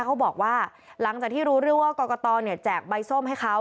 เขาบอกว่าหลังจากที่รู้เรื่องว่ากรกตแจกใบส้มให้เขา